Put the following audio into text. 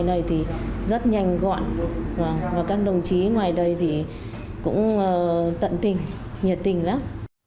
ở đây thì rất nhanh gọn và các đồng chí ngoài đây thì cũng tận tình nhiệt tình lắm